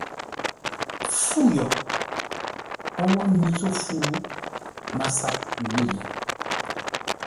Fu yo! O wo mi zô fu, MASAP mî yé.